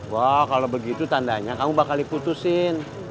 wah kalau begitu tandanya kamu bakal diputusin